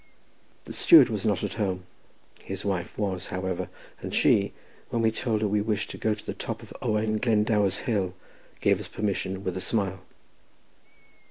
The steward was not at home; his wife was, however, and she, when we told her we wished to go to the top of Owain Glendower's Hill, gave us permission with a smile.